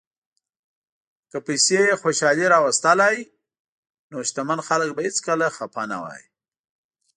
که پیسې خوشالي راوستلی، نو شتمن خلک به هیڅکله خپه نه وای.